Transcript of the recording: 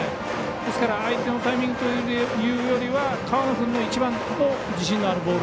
ですから相手のタイミングというよりは河野君の一番自信のあるボール。